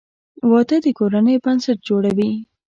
• واده د کورنۍ بنسټ جوړوي.